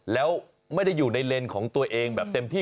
แล้วไม่ได้อยู่ในเลนส์ของตัวเองแบบเต็มที่